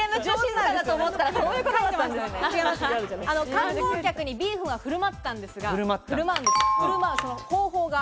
観光客にビーフンは振る舞ったんですが、その方法が。